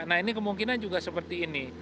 nah ini kemungkinan juga seperti ini